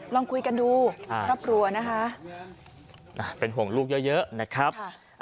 ลองคุยกันดูครอบครัวนะคะเป็นห่วงลูกเยอะนะครับ